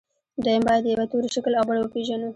دويم بايد د يوه توري شکل او بڼه وپېژنو.